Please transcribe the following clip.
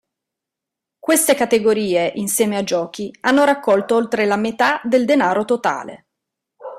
Queste categorie, insieme a Giochi, hanno raccolto oltre la metà del denaro totale.